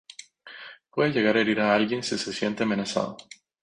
Puede llegar a herir a alguien si se siente amenazado.